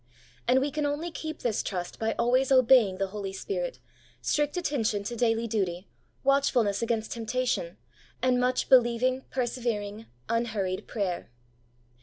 And we can only keep this trust by always obeying the Holy Spirit, strict attention to daily duty, watchfulness against temptation, and much believing, persevering, unhurried prayer.